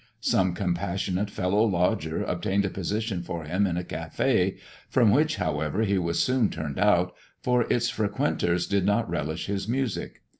Some compassionate fellow lodger obtained a position for him in a café, from which, however, he was soon turned out, for its frequenters did not relish his music.